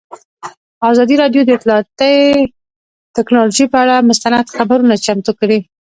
ازادي راډیو د اطلاعاتی تکنالوژي پر اړه مستند خپرونه چمتو کړې.